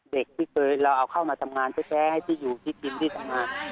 เด็กที่เคยเราเอาเข้ามาทำงานแท้ให้ที่อยู่ที่กินที่ทำงาน